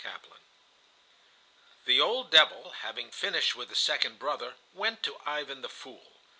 CHAPTER XI. The old devil, having finished with the second brother, went to Ivan the Fool.